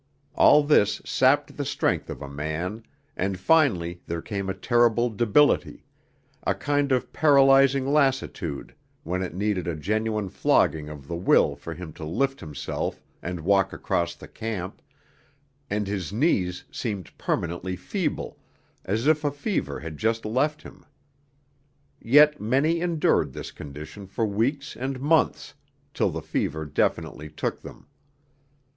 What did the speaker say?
All this sapped the strength of a man; and finally there came a terrible debility, a kind of paralysing lassitude when it needed a genuine flogging of the will for him to lift himself and walk across the camp, and his knees seemed permanently feeble, as if a fever had just left him. Yet many endured this condition for weeks and months till the fever definitely took them.